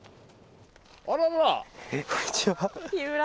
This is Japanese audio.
あららら。